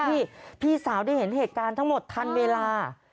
พี่พี่สาวได้เห็นเหตุการณ์ทั้งหมดทันเวลา